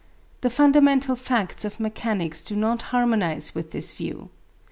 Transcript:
The fundamental facts of mechanics do not harmonize with this view.